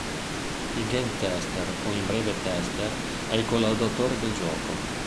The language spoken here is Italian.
Il "game tester" o in breve "tester" è il collaudatore del gioco.